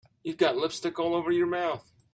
You've got lipstick all over your mouth.